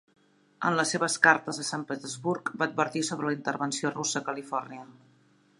En les seves cartes de Sant Petersburg va advertir sobre una intervenció russa a Califòrnia.